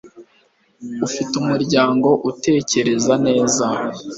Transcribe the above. Ufite umuryango utekereza neza